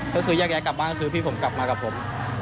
ก็คือยากแยกกลับมาก็คือพี่ผมกลับมากับผม